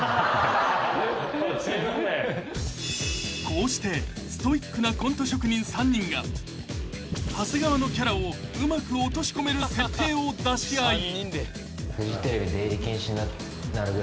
［こうしてストイックなコント職人３人が長谷川のキャラをうまく落とし込める設定を出し合い］